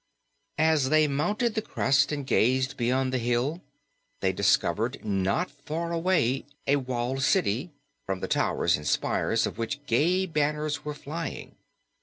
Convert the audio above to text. As they mounted the crest and gazed beyond the hill, they discovered not far away a walled city, from the towers and spires of which gay banners were flying.